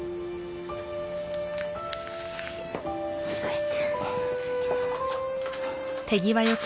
押さえて。